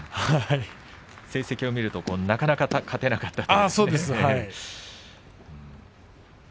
成績を見るとなかなか勝てなかったと。